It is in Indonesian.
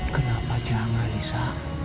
kenapa jangan bisa